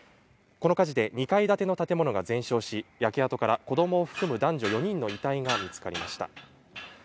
この火事で２階建ての建物が全焼し、焼け跡から子供を含む男女４人の遺体が見つかりました。